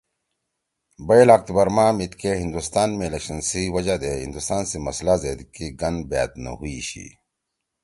بَئیل اکتوبر ما میِدکے ہندوستان می الیکشن سی وجہ دے ہندوستان سی مسئلہ زید کی گَن بأت نہ ہُوئی شی